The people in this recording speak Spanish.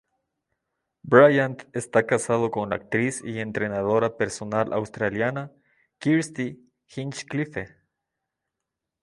Bryant está casado con la actriz y entrenadora personal australiana Kirsty Hinchcliffe.